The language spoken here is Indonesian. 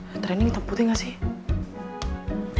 antrian ini hitam putih gak sih